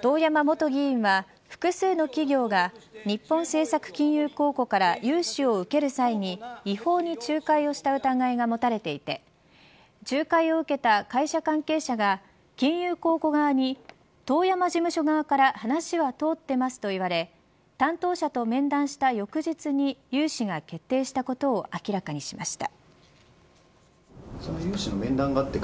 遠山元議員は複数の企業が日本政策金融公庫から融資を受ける際に違法に仲介をした疑いが持たれていて仲介を受けた会社関係者が金融公庫側に遠山事務所側から話は通っていますといわれ担当者と面談した翌日融資が決定したことを明らかにしました。